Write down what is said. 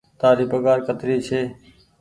تآري پگهآر ڪتري ڇي۔